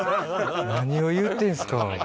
何を言うてんすか！